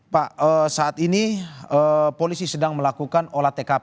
pak saat ini polisi sedang melakukan olah tkp